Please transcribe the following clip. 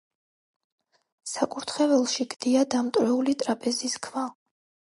საკურთხეველში გდია დამტვრეული ტრაპეზის ქვა.